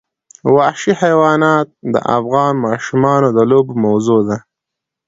وحشي حیوانات د افغان ماشومانو د لوبو موضوع ده.